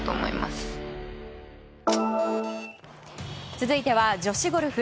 続いては女子ゴルフ。